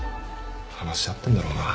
話し合ってんだろうな。